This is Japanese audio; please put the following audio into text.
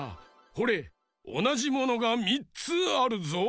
ほれおなじものが３つあるぞ。